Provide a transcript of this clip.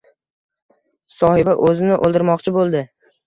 Sohiba o`zini o`ldirmoqchi bo`ldi